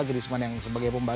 griezmann sebagai pemain